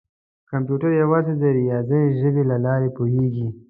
کمپیوټر یوازې د ریاضي ژبې له لارې پوهېږي.